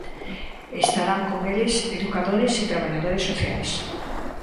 Estarán con eles educadores e traballadores sociais.